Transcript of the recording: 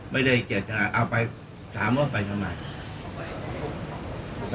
ไม่ได้เจตนาเอาไปถามว่าไปทำไมเอาไป